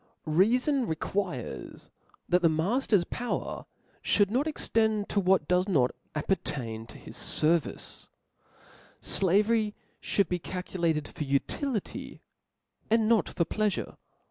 Reafon requires that the matter's power (bould not extend to what does not appertain to his fer vice : Slavery fhould be calculated, for utility, and not for pleafure.